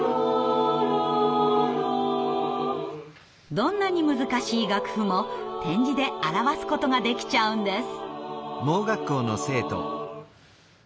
どんなに難しい楽譜も点字で表すことができちゃうんです。